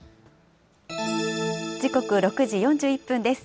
時刻、６時４１分です。